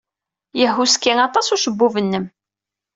Yehhuski aṭas ucebbub-nnem.